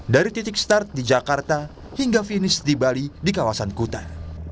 dari titik start di jakarta hingga finish di bali di kawasan kutai